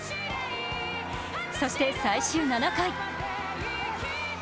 そして最終７回。